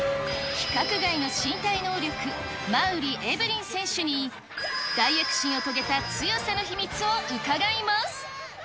規格外の身体能力、馬瓜エブリン選手に、大躍進を遂げた強さの秘密を伺います。